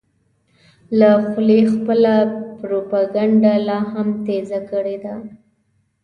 له خولې خپله پروپیګنډه لا هم تېزه کړې ده.